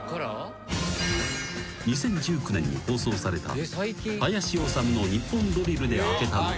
［２０１９年に放送された『林修のニッポンドリル』で開けたのは］